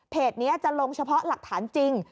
นี้จะลงเฉพาะหลักฐานจริง